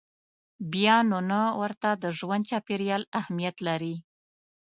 بیا نو نه ورته د ژوند چاپېریال اهمیت لري.